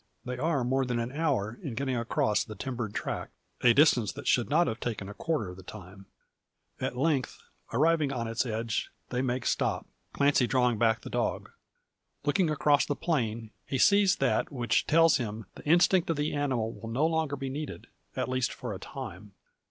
They are more than an hour in getting across the timbered tract; a distance that should not have taken quarter the time. At length, arriving on its edge, they make stop; Clancy drawing back the dog. Looking across the plain he sees that, which tells him the instinct of the animal will be no longer needed at least for a time.